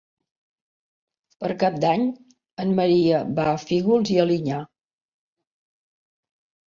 Per Cap d'Any en Maria va a Fígols i Alinyà.